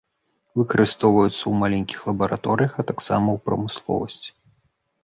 Выкарыстоўваецца ў маленькіх лабараторыях, а таксама ў прамысловасці.